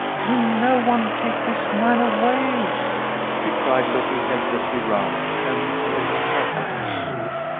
"Will no one take this man away?" she cried, looking helplessly round, and wringing her hands.